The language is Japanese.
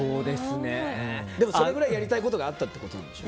でもそれぐらいやりたいことがあったってことなんでしょ？